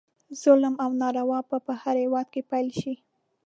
ظلم او ناروا به په هر هیواد کې پیل شي.